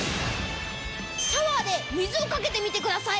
シャワーで水をかけてみてください。